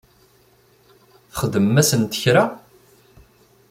Txedmem-asent kra?